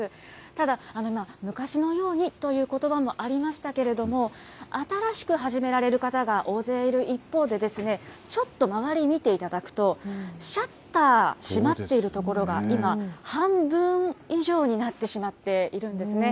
ただ、昔のようにということばもありましたけども、新しく始められる方が大勢いる一方で、ちょっと周り見ていただくと、シャッター閉まっている所が今、半分以上になってしまっているんですね。